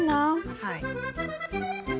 はい。